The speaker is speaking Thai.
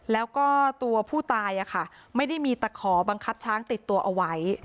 แล้วก็ตัวผู้ตายไม่ได้มีตะขอบังคับช้างติดตัวเอาไว้